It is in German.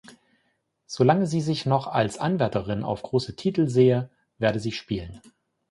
Solange sie sich noch als Anwärterin auf große Titel sehe, werde sie spielen.